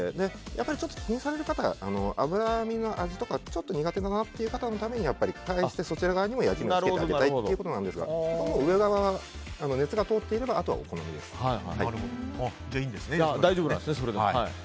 やっぱり気にされる方は脂身の味とか、ちょっと苦手だなって方のために返して、そちら側にも焼き目をつけてあげたいということなんですが上側は熱が通っていればじゃあ、それで大丈夫ですね。